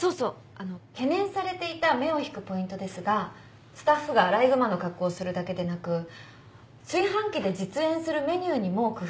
あの懸念されていた目を引くポイントですがスタッフがアライグマの格好をするだけでなく炊飯器で実演するメニューにも工夫をするのはどうでしょうか？